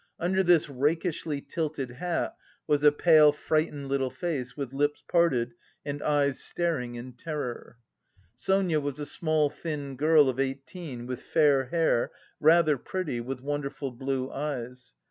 Under this rakishly tilted hat was a pale, frightened little face with lips parted and eyes staring in terror. Sonia was a small thin girl of eighteen with fair hair, rather pretty, with wonderful blue eyes.